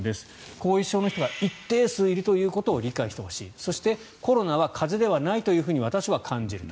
後遺症の人が一定数いることは理解してほしいそして、コロナは風邪ではないというふうに私は感じると。